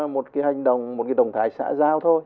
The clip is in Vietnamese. một cái hành động một cái động thái xã giao thôi